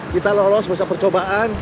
kita lolos banyak percobaan